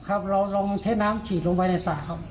ครับเราลองใช้น้ำฉีดลงไปในสระครับ